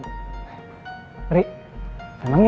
pokoknya gue harus ngingetin riri